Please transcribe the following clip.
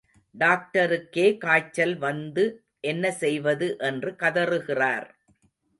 டாக்டருக்கே காய்ச்சல் வந்து என்ன செய்வது என்று கதறுகிறார்.